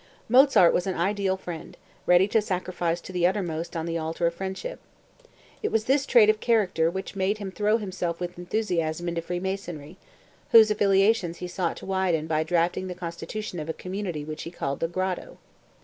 Mozart was an ideal friend, ready to sacrifice to the uttermost on the altar of friendship. It was this trait of character which made him throw himself with enthusiasm into Freemasonry, whose affiliations he sought to widen by drafting the constitution of a community which he called "The Grotto."